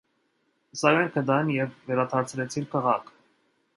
Սակայն գտան և վերադարձրեցին քաղաք։